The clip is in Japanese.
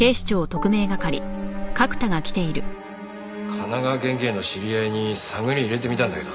神奈川県警の知り合いに探り入れてみたんだけどさ